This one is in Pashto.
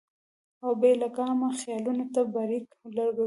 او بې لګامه خيالونو ته برېک لګوي -